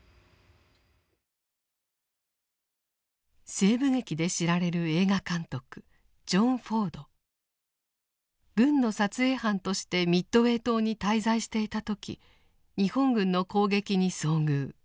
西部劇で知られる軍の撮影班としてミッドウェー島に滞在していた時日本軍の攻撃に遭遇。